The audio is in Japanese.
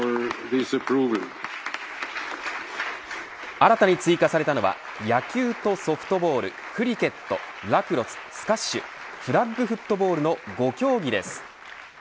新たに追加されたのは野球とソフトボールクリケット、ラクロススカッシュフラッグフットボールの５競技です。